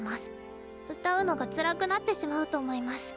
歌うのがつらくなってしまうと思います。